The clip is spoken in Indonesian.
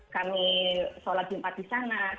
kami solat jumpa di sana